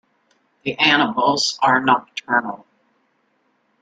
The animals are nocturnal.